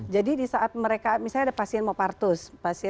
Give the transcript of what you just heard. jadi di saat mereka misalnya ada pasien mau partus